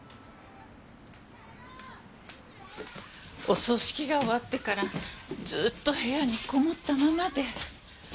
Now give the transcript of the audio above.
お葬式が終わってからずっと部屋にこもったままで。